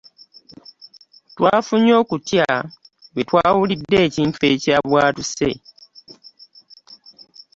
Lwafunye okutya bwe twawulidde ekintu ekyabwatuse.